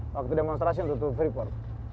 waktu demonstrasi untuk tufriport